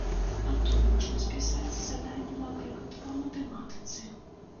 Адтуль можна спісаць заданне, напрыклад, па матэматыцы.